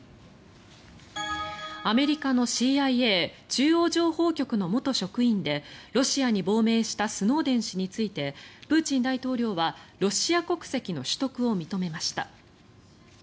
アメリカのＣＩＡ・中央情報局の元職員でロシアに亡命したスノーデン氏についてプーチン大統領はロシア国籍の取得を認めました。